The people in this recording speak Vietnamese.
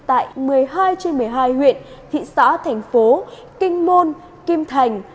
tại một mươi hai trên một mươi hai huyện thị xã thành phố kinh môn kim thành